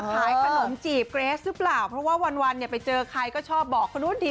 เขามาขายขนมจีบเกรสรึเปล่าเพราะวันเนี่ยไปเจอใครก็ชอบบอกคนอื่นที